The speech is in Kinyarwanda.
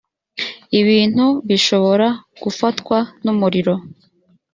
ibintu bishobora gufatwa n umuriro